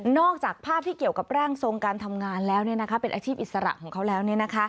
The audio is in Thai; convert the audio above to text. จากภาพที่เกี่ยวกับร่างทรงการทำงานแล้วเป็นอาชีพอิสระของเขาแล้ว